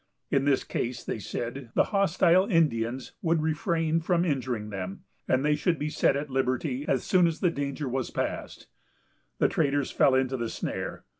In this case, they said, the hostile Indians would refrain from injuring them, and they should be set at liberty as soon as the danger was past. The traders fell into the snare.